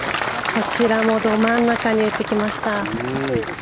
こちらもど真ん中に打ってきました。